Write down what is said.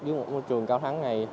dưới một trường cao thắng này